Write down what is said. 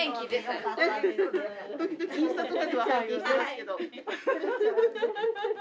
時々インスタとかでは拝見してますけど。